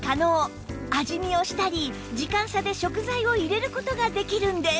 味見をしたり時間差で食材を入れる事ができるんです